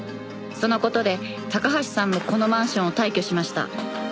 その事で高橋さんもこのマンションを退去しました。